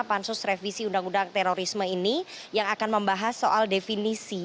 pansus revisi undang undang terorisme ini yang akan membahas soal definisi